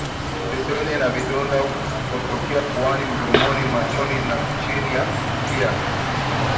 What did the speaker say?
Vipele na vidonda kutokea puani mdomoni machoni na chini ya mkia